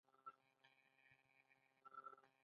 علي تل په غریبانو او مظلومو کسانو باندې ظلم کوي.